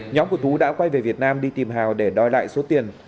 nhóm của tú đã quay về việt nam đi tìm hào để đòi lại số tiền